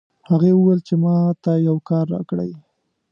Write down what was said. هغې وویل چې ما ته یو کار راکړئ